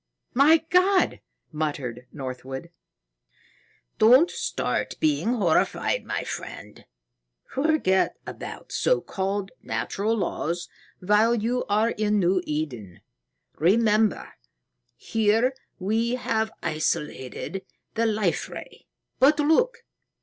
"My God!" muttered Northwood. "Don't start being horrified, my friend. Forget about so called natural laws while you are in New Eden. Remember, here we have isolated the Life Ray. But look!